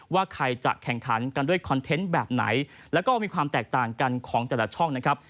ว่าใครจะแข่งขันกันด้วยคอนเทนต์แบบไหนแล้วก็มีความแตกต่างกันของแต่ละช่องนะครับ